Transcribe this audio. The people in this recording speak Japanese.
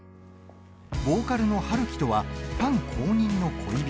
ボーカルの陽樹とはファン公認の恋人。